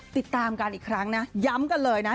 ติดตามกันอีกครั้งนะย้ำกันเลยนะ